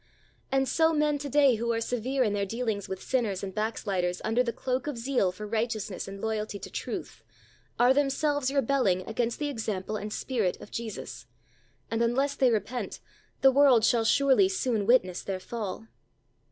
And so men to day who are severe in their dealings with sinners and backsliders under the cloak of zeal for righteousness and loyalty to truth are themselves rebelling against the example and spirit of Jesus, and unless they repent, the world shall surely soon witness their fall.